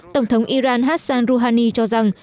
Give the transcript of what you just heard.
tổng thống iran hassan rouhani cho rằng